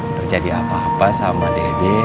terjadi apa apa sama dede